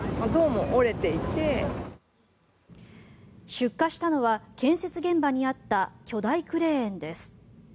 出火したのは建設現場にあった巨大クレーンです。